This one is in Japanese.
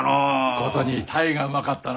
ことに鯛がうまかったな。